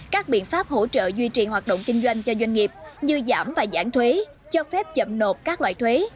các biện pháp hỗ trợ duy trì hoạt động kinh doanh cho doanh nghiệp như giảm và giãn thuế cho phép chậm nộp các loại thuế